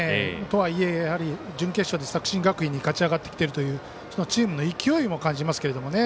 とはいえ、準決勝で作新学院に勝ち上がってきているというチームの勢いも感じますけどもね。